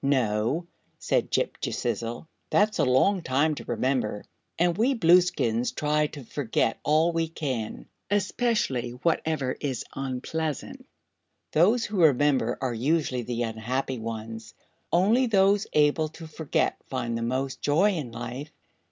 "No," said Ghip Ghisizzle; "that's a long time to remember, and we Blueskins try to forget all we can especially whatever is unpleasant. Those who remember are usually the unhappy ones; only those able to forget find the most joy in life."